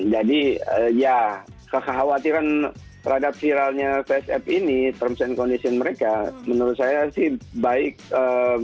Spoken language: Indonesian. jadi ya kekhawatiran rada viralnya vsm ini terms and condition mereka menurut saya sih baik memang di sosialisasi